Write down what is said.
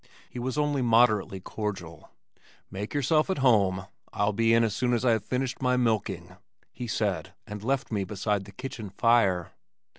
He was only moderately cordial. "Make yourself at home. I'll be in as soon as I have finished my milking," he said and left me beside the kitchen fire.